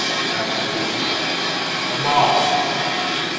asked Baker. "The boss."